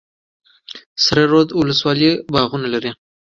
سره رود ولسوالۍ باغونه لري؟